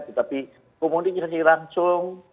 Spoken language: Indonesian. tetapi kemudian jelasin langsung